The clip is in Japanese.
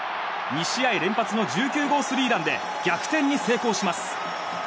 ２試合連発の１９号スリーランで逆転に成功します。